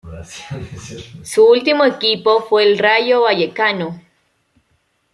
Su último equipo fue el Rayo Vallecano.